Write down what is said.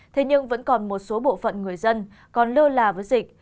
thế nhưng vẫn còn một số bộ phận người dân còn lơ là với dịch